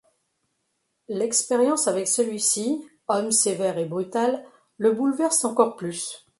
L’expérience avec celui-ci, homme sévère et brutal, le bouleverse encore plus.